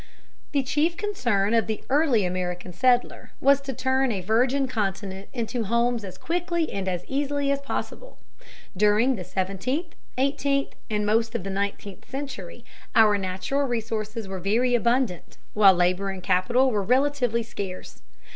The chief concern of the early American settler was to turn a virgin continent into homes as quickly and as easily as possible. During the seventeenth, eighteenth, and most of the nineteenth century, our natural resources were very abundant, while labor and capital were relatively scarce.